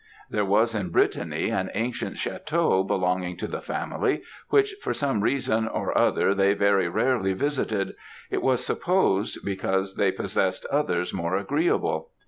There was in Brittany an ancient château belonging to the family, which, for some reason or other, they very rarely visited; it was supposed, because they possessed others more agreeable.